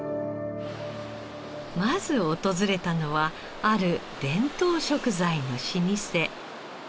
まず訪れたのはある伝統食材の老舗。